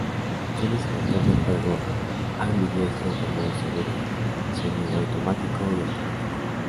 Tiene selector de fuego ambidiestro con modo seguro, semiautomático y automático.